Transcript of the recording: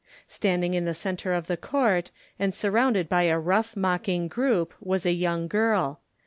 Standing in the centre of the court, and surrounded by a rough mocking group, was a young girl.